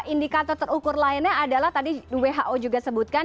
indikator terukur lainnya adalah tadi who juga sebutkan